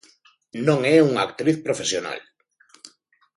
Non é unha actriz profesional.